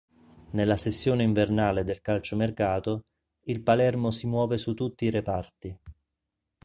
Nella sessione invernale del calciomercato, il Palermo si muove su tutti i reparti.